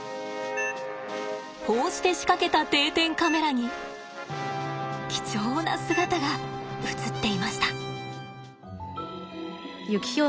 こうして仕掛けた定点カメラに貴重な姿が映っていました。